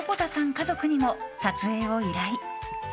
家族にも撮影を依頼。